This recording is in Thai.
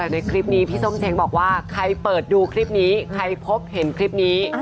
ในคลิปนี้พี่ส้มเช้งบอกว่าใครเปิดดูคลิปนี้ใครพบเห็นคลิปนี้